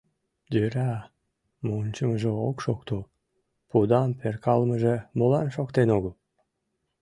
Йӧра, мунчымыжо ок шокто, пудам перкалымыже молан шоктен огыл?